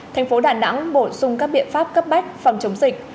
thành phố đà nẵng bổ sung các biện pháp cấp bách phòng chống dịch